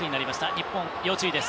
日本、要注意です。